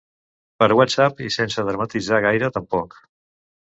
Per whatsapp i sense dramatitzar gaire, tampoc.